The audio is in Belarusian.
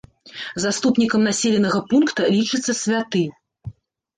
Заступнікам населенага пункта лічыцца святы.